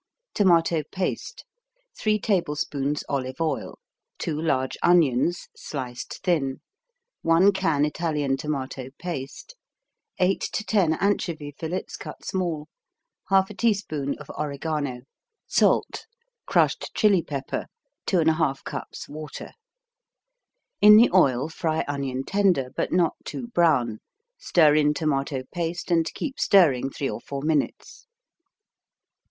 TOMATO PASTE 3 tablespoons olive oil 2 large onions, sliced thin 1 can Italian tomato paste 8 to 10 anchovy filets, cut small 1/2 teaspoon oregano Salt Crushed chili pepper 2 1/2 cups water In the oil fry onion tender but not too brown, stir in tomato paste and keep stirring 3 or 4 minutes.